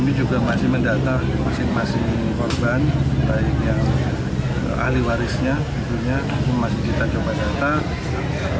baik yang ahli warisnya ibu ibunya masih kita coba data